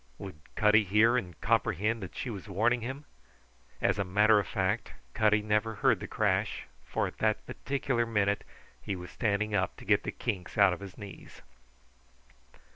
Would Cutty hear and comprehend that she was warning him? As a matter of fact, Cutty never heard the crash, for at that particular minute he was standing up to get the kinks out of his knees.